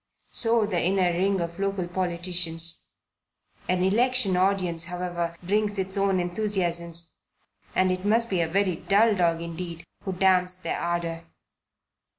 So the inner ring of local politicians. An election audience, however, brings its own enthusiasms, and it must be a very dull dog indeed who damps their ardour.